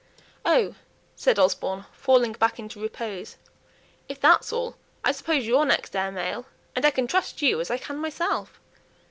"Oh!" said Osborne, falling back into repose, "if that's all, I suppose you're next heir male, and I can trust you as I can myself.